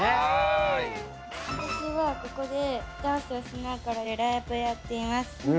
私はここでダンスをしながらライブをやっています。